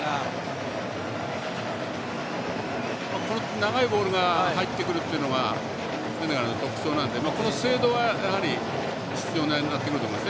長いボールが入ってくるのがセネガルの特徴なのでこの精度は、やはり必要になってくると思います。